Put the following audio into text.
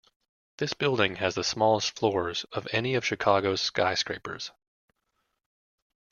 This building has the smallest floors of any of Chicago's skyscrapers.